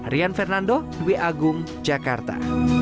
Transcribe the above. rian fernando dwi agung jakarta